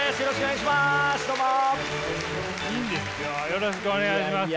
よろしくお願いします。